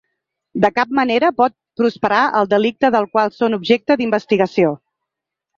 De cap manera pot prosperar el delicte del qual són objecte d’investigació.